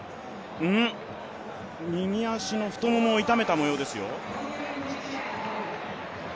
右足の太ももを痛めたもようですよ。